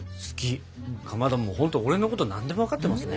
かまどもうほんと俺のこと何でも分かってますね。